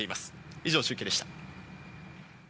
以上中継でした。